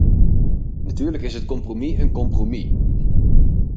Natuurlijk is het compromis een compromis!